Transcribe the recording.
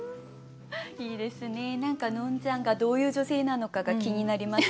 いいですね何かのんちゃんがどういう女性なのかが気になります。